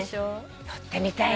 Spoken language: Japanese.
撮ってみたいね。